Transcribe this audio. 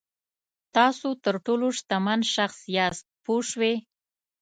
تاسو تر ټولو شتمن شخص یاست پوه شوې!.